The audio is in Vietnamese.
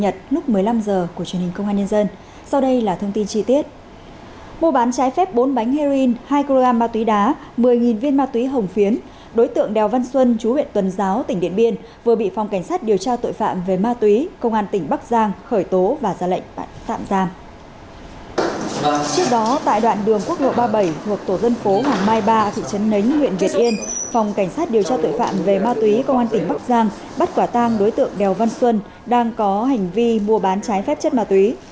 tại thị trấn nánh huyện việt yên phòng cảnh sát điều tra tội phạm về ma túy công an tỉnh bắc giang bắt quả tang đối tượng đèo văn xuân đang có hành vi mua bán trái phép chất ma túy